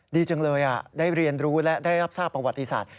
ดีจังเลยได้เรียนรู้และได้รับทราบประวัติศาสต